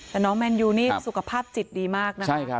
แต่น้องแมนยูนี่สุขภาพจิตดีมากนะครับ